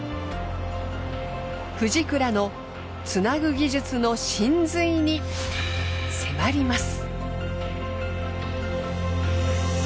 フジクラのつなぐ技術の真髄に迫ります。